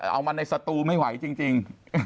เอามาในสตูไม่ไหวจริง